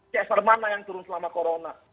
csr mana yang turun selama corona